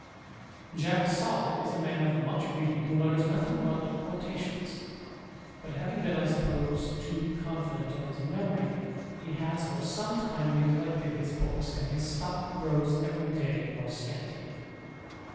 Jack Solid is a man of much reading, who utters nothing but quotations : but having been, I suppose, too confident of his memory, he has for some time neglected his books, and his stock grows every day more scanty.